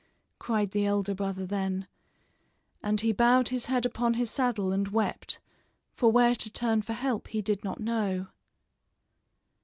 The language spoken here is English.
" cried the elder brother then; and he bowed his head upon his saddle and wept, for where to turn for help he did not know.